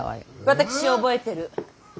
私覚えてる。